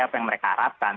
apa yang mereka harapkan